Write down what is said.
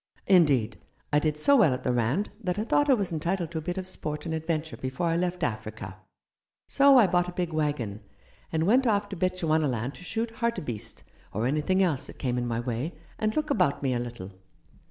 Indeed, I did so well at the Rand that I thought I was entitled to a bit of sport and adventure before I left Africa — so I bought a big waggon, and went off to Bechuanaland to shoot hartebeest, or anything else that came in my way, and look about me a little.